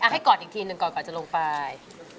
ให้กอดอีกทีหนึ่งก่อนกว่าจะลงไป